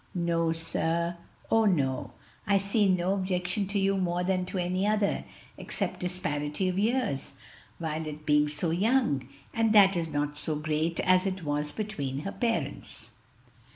"No, sir, oh no! I see no objection to you more than to any other, except disparity of years, Violet being so young; and that is not so great as it was between her parents."